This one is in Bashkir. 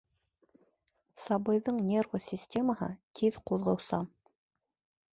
Сабыйҙың нервы системаһы тиҙ ҡуҙғыусан.